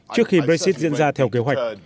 trước khi brexit diễn ra theo kế hoạch